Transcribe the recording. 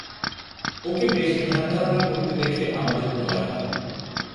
ওকে বেশী ধ্যানধারণা করতে দেখলে আমাদের ভয় হয়।